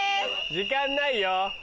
時間ないよ。